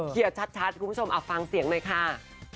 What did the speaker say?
ชัดคุณผู้ชมฟังเสียงหน่อยค่ะ